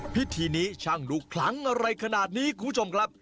พิธีนี้ช่างดูคลังอะไรขนาดนี้คุณผู้ชมครับ